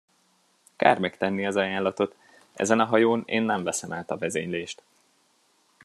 Kár megtenni az ajánlatot, ezen a hajón én nem veszem át a vezénylést.